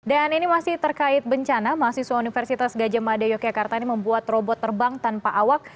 dan ini masih terkait bencana mahasiswa universitas gajah mada yogyakarta ini membuat robot terbang tanpa awak